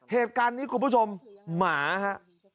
เหตุการณ์นี้คุณผู้ชมหมาฮะ